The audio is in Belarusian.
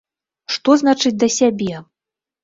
Што значыць да сябе?